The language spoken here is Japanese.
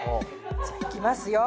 じゃあいきますよ！